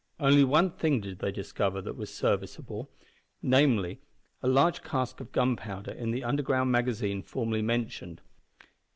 Only one thing did they discover that was serviceable, namely, a large cask of gunpowder in the underground magazine formerly mentioned.